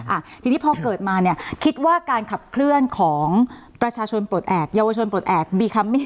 อ่ะทีนี้พอเกิดมาเนี่ยคิดว่าการขับเคลื่อนของประชาชนปลดแอบเยาวชนปลดแอบ